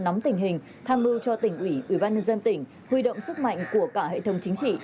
nắm tình hình tham mưu cho tỉnh ủy ủy ban nhân dân tỉnh huy động sức mạnh của cả hệ thống chính trị